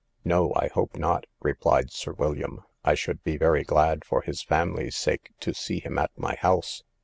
No, I hope not, replied Sir William; I should be very glad, for his family's sake, to see him at my house.